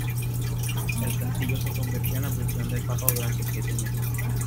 El castillo se convirtió en la prisión del papa durante siete meses.